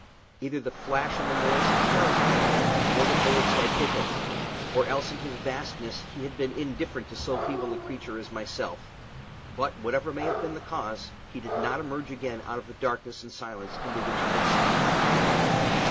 Either the flash and the noise had terrified him, or the bullets had hit him, or else in his vastness he had been indifferent to so feeble a creature as myself; but whatever may have been the cause, he did not emerge again out of the darkness and silence into which he had sunk.